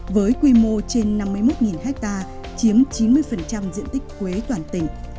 với quy mô trên năm mươi một ha chiếm chín mươi diện tích quế toàn tỉnh